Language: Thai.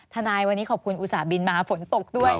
ทนายวันนี้ขอบคุณอุตส่าหบินมาฝนตกด้วย